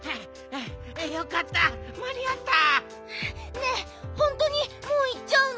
ねえほんとにもういっちゃうの？